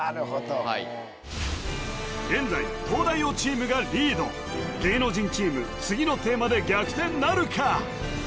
はい現在東大王チームがリード芸能人チーム次のテーマで逆転なるか？